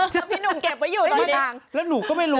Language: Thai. แต่พี่หนูเก็บไว้อยู่ตอนเนี้ยตอนเนี้ยแล้วหนูก็ไม่รู้